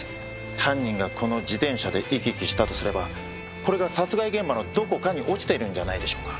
犯人がこの自転車で行き来したとすればこれが殺害現場のどこかに落ちているんじゃないでしょうか。